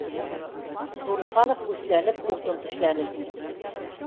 Нуриханов үсләнеп уртын тешләне